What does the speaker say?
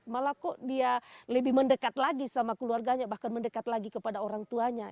malah kok dia lebih mendekat lagi sama keluarganya bahkan mendekat lagi kepada orang tuanya